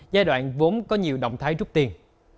giai đoạn vốn có nhiều động thái rút tiền